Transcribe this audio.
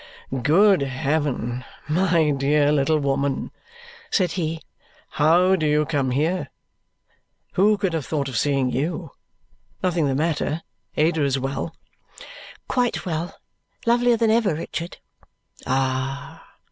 "Good heaven, my dear little woman," said he, "how do you come here? Who could have thought of seeing you! Nothing the matter? Ada is well?" "Quite well. Lovelier than ever, Richard!" "Ah!"